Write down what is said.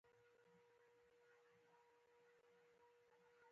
څومره چې د اسرائیلو خاورې ته ننوتلو سړکونه عصري کېدل.